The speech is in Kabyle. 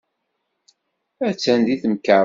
Attan deg temkarḍit.